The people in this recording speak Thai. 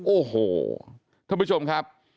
โอ้โหท่านผู้ชมครับ